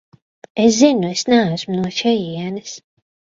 Es zinu, es neesmu no šejienes.